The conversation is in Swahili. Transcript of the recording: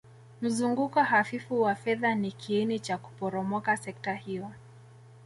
Mzunguko hafifu wa fedha ni kiini cha kuporomoka sekta hiyo